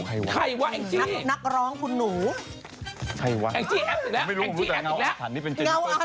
เรื่องนี้นัก